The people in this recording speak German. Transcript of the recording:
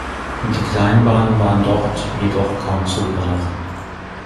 Die Kleinbahnen waren dort jedoch kaum zu gebrauchen.